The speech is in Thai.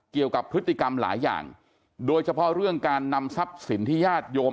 เกี่ยวกับพฤติกรรมหลายอย่างโดยเฉพาะเรื่องการนำทรัพย์สินที่ญาติโยม